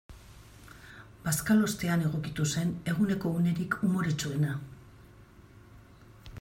Bazkalostean egokitu zen eguneko unerik umoretsuena.